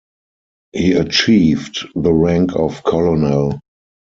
He achieved the rank of colonel.